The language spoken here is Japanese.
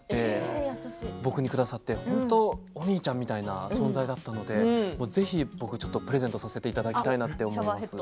僕にくださってお兄ちゃんみたいな存在だったのでぜひ僕プレゼントさせていただきたいなと思います